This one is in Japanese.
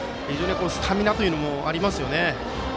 スタミナというのもありますよね。